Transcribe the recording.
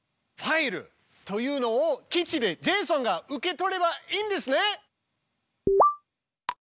「ファイル」というのを基地でジェイソンが受け取ればいいんですね？